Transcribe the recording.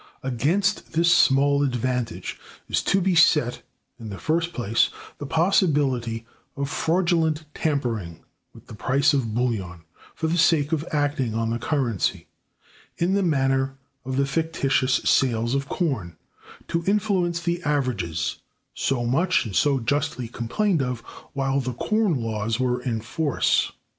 Against this small advantage is to be set, in the first place, the possibility of fraudulent tampering with the price of bullion for the sake of acting on the currency, in the manner of the fictitious sales of corn, to influence the averages, so much and so justly complained of while the corn laws were in force.